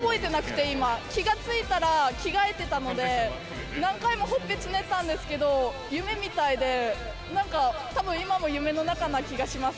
表彰式を終え、何も覚えてなくて、今、気が付いたら着替えてたので、何回もほっぺつねったんですけど、夢みたいで、なんか、たぶん今も夢の中な気がします。